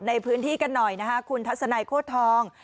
ในพื้นที่กันหน่อยนะคะคุณทัศนัยโคตรทอง